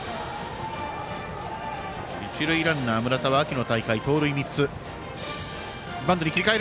一塁ランナー村田は秋の大会盗塁３つ。